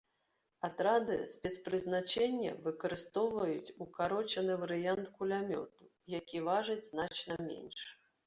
Атрады спецпрызначэння выкарыстоўваюць укарочаны варыянт кулямёту, які важыць значна менш.